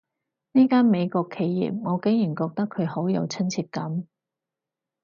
呢間美國企業，我竟然覺得佢好有親切感